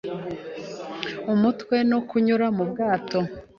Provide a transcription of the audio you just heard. umutwe no kunyura mu bwato.